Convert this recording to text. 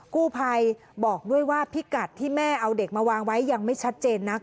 กู้ภัยบอกด้วยว่าพิกัดที่แม่เอาเด็กมาวางไว้ยังไม่ชัดเจนนัก